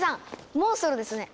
モンストロですね。